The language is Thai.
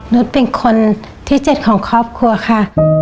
นุษย์เป็นคนที่๗ของครอบครัวค่ะ